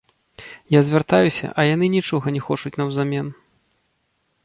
Я звяртаюся, а яны нічога не хочуць наўзамен.